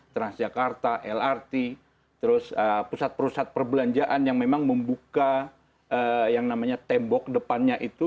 transjakarta lrt terus pusat pusat perbelanjaan yang memang membuka yang namanya tembok depannya itu